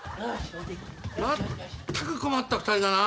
まったく困った２人だな。